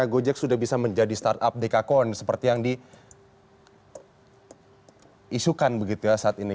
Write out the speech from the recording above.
karena gojek sudah bisa menjadi startup dekakorn seperti yang diisukan begitu ya saat ini